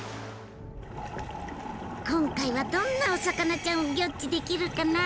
今回はどんなお魚ちゃんをギョっちできるかな？